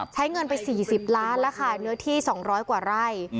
ใช้เงินไป๔๐ล้านแล้วค่ะเนื้อที่๒๐๐กว่าไร่